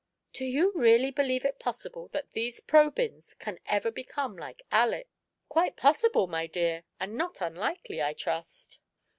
" Do you really believe it possible that these Probyns can ever become like Aleck?" "Quite possible, my dear, and not unlikely, I trust. 94 SUNDAY AT DOVE'S NEST.